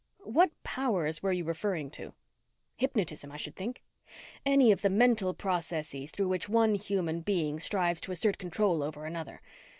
"What powers were you referring to?" "Hypnotism, I should think. Any of the mental processes through which one human being strives to assert control over another.